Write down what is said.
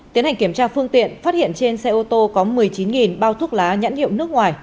tiến hành kiểm tra phương tiện phát hiện trên xe ô tô có một mươi chín bao thuốc lá nhãn hiệu nước ngoài